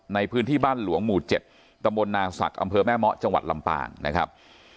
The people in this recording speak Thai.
ในพื้นที่บ้านหลวงหมู่๗ตำบลนาศักดิ์อำเภอแม่เมาะจังหวัดลำปางนะครับ